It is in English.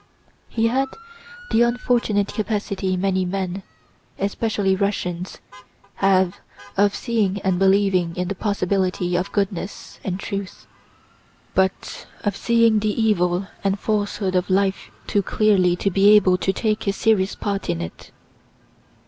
He had the unfortunate capacity many men, especially Russians, have of seeing and believing in the possibility of goodness and truth, but of seeing the evil and falsehood of life too clearly to be able to take a serious part in it.